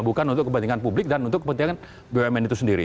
bukan untuk kepentingan publik dan untuk kepentingan bumn itu sendiri